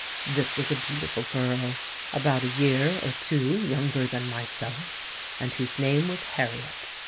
This was a beautiful girl, about a year or two younger than myself, and whose name was Harriet.